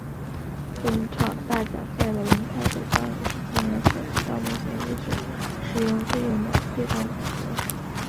本场大奖赛的轮胎配方也是今年赛季到目前为止使用最硬的配方组合。